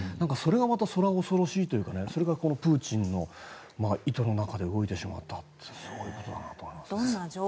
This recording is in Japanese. それがまたそら恐ろしいというかこれがプーチンの意図の中で動いてしまったのは。